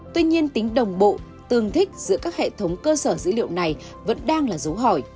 tuy nhiên tính đồng bộ tương thích giữa các hệ thống cơ sở dữ liệu này vẫn đang là dấu hỏi